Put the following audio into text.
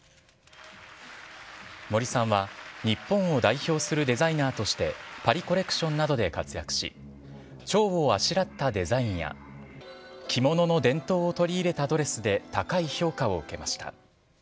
森さんは日本を代表するデザイナーとしてパリ・コレクションなどで活躍しチョウをあしらったデザインや着物の伝統を取り入れたドレスで高い評価を受けました。